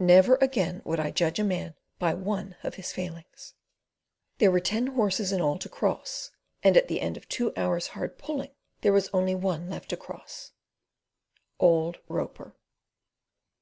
Never again would I judge a man by one of his failings. There were ten horses in all to cross, and at the end of two hours' hard pulling there was only one left to come—old Roper.